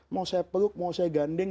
mau saya peluk mau saya gandeng